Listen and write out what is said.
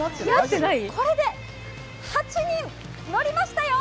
これで８人、乗りましたよ！